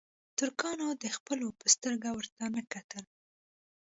ترکانو د خپلو په سترګه ورته نه کتل.